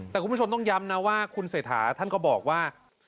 แต่คุณผู้ชมต้องย้ำนะว่าคุณเศรษฐาท่านก็บอกว่า